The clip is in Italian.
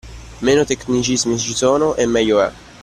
Meno tecnicismi ci sono e meglio è.